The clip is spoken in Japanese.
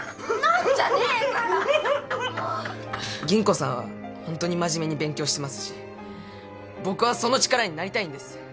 吟子さんはホントに真面目に勉強してますし僕はその力になりたいんです！